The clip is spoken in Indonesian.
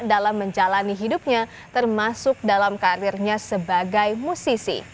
dalam menjalani hidupnya termasuk dalam karirnya sebagai musisi